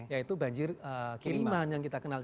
yaitu banjir kiriman yang kita kenal